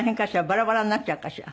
バラバラになっちゃうかしら？